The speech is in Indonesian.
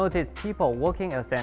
bagaimana perniagaan sekarang